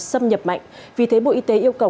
xâm nhập mạnh vì thế bộ y tế yêu cầu